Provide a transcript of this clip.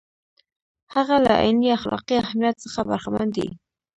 هغه له عیني اخلاقي اهمیت څخه برخمن دی.